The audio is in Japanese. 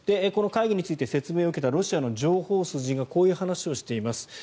この会議について説明を受けたロシアの情報筋がこういう話をしています。